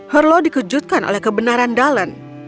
herlo dikejutkan oleh kebenaran dallon